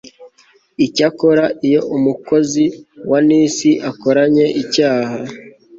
icyakora iyo umukozi wa niss akoranye icyaha